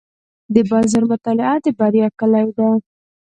د بازار مطالعه د بریا کلي ده.